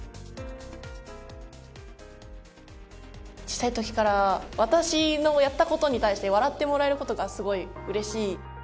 小さい時から私のやった事に対して笑ってもらえる事がすごい嬉しい。